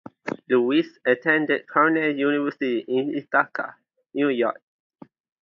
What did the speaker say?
Lewis attended Cornell University in Ithaca, New York.